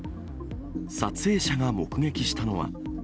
撮影者が目撃したのは。